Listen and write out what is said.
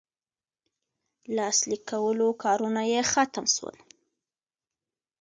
لاسلیک کولو کارونه یې ختم سول.